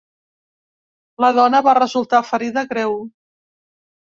La dona va resultar ferida greu.